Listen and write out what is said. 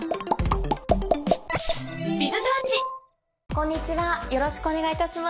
こんにちはよろしくお願いいたします。